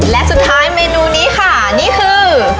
และสุดท้ายเมนูนี้ค่ะนี่คือ